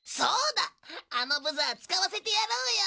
あのブザー使わせてやろうよ。